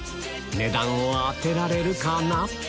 値段を当てられるかな？